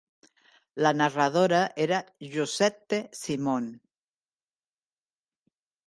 La narradora era Josette Simon.